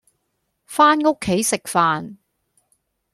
返屋企食飯